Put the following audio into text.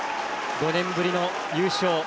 ５年ぶりの優勝。